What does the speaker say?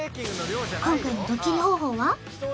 今回のドッキリ方法は？